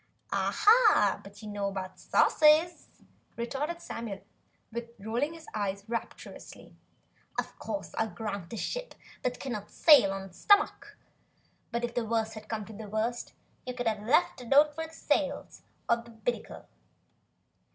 "Ah but what you know about sauces!" retorted Samuel, rolling his eyes rapturously. "Of course, I'll grant a ship cannot sail on its stomach, but if the worst had come to the worst, you could have left a note for the sails on the binnacle.